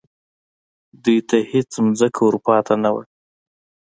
دوی ته هېڅ ځمکه ور پاتې نه وه